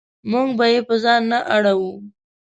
موږ به یې په ځان نه اړوو.